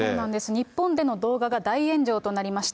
日本でも動画が大炎上となりました。